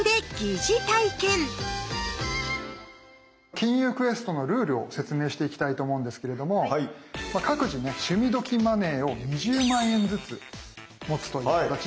金融クエストのルールを説明していきたいと思うんですけれども各自ね趣味どきマネーを２０万円ずつ持つという形になります。